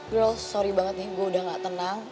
girld sorry banget nih gue udah gak tenang